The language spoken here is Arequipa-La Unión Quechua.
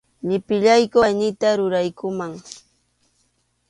Llipillayku aynita ruraykuman.